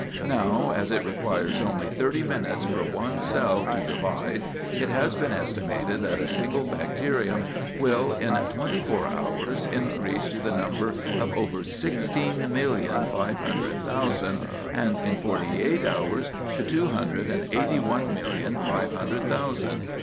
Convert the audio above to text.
Now, as it requires only thirty minutes for one cell to divide, it has been estimated that a single bacterium will in twenty four hours increase to the number of over sixteen million five hundred thousand, and in forty eight hours to two hundred and eighty one million five hundred thousand.